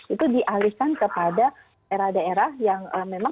itu dialihkan kepada era era yang memang kecepatan